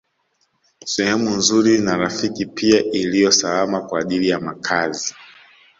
Sehemu nzuri na rafiki pia iliyo salama kwa ajili ya makazi